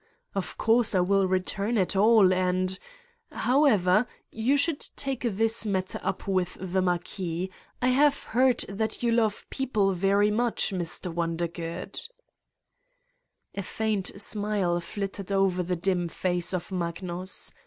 Of course I will return it all and ... how 185 Satan's Diary ever, you should take this matter up with the Mar quis. I have heard that you love people very much, Mr. Wondergood?" A faint smile flitted over the dim face of Mag nus.